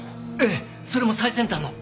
ええそれも最先端の。